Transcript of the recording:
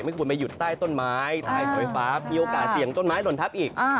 ควรมาหยุดใต้ต้นไม้ใต้เสาไฟฟ้ามีโอกาสเสี่ยงต้นไม้หล่นทับอีก